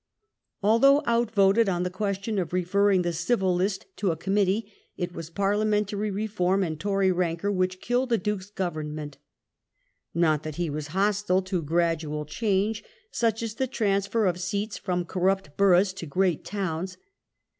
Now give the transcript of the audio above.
Although out voted on the question of referring the Civil List to a committee, it was Parliamentary Eeform and Tory rancour which killed the Duke's Government Not that he was hostile to gradual change, such as the transfer of seats from corrupt boroughs to great towns.